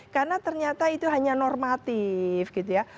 karena ternyata itu hanya normatif gitu ya